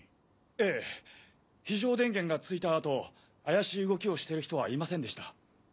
ええ非常電源がついた後怪しい動きをしてる人はいませんでした。